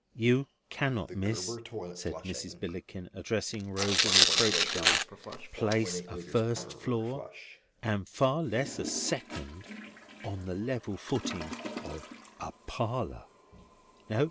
You cannot, Miss," said Mrs. Billickin, addressing Rosa reproachfully, "place a first floor, and far less a second, on the level footing "of a parlour.